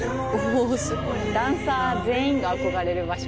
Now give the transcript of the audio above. ダンサー全員が憧れる場所。